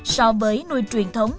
so với nuôi truyền thống